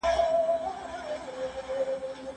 کاردستي د ماشومانو په ټولنیز ژوند اغېزه لري.